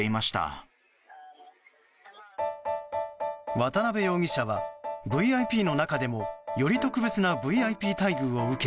渡邉容疑者はＶＩＰの中でもより特別なＶＩＰ待遇を受け